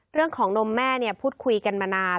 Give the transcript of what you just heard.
เรื่องของนมแม่พูดคุยกันมานาน